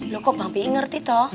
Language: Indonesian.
lho kok bang pi ngerti toh